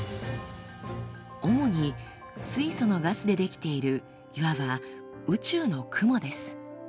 主に水素のガスで出来ているいわば宇宙の雲です。